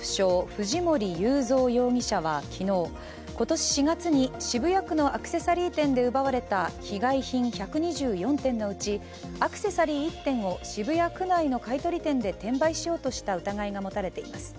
藤森友三容疑者は昨日、今年４月に渋谷区のアクセサリー店で奪われた被害品１２４点のうちアクセサリー１点を渋谷区内の買い取り店で転売しようとした疑いが持たれています。